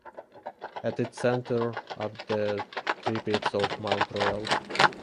At its centre are the three peaks of Mount Royal.